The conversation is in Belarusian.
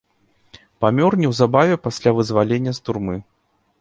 Памёр неўзабаве пасля вызвалення з турмы.